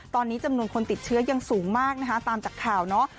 ตอนนี้จำนวนคนติดเชื้อยังสูงมากนะคะตามจากข่าวเนาะ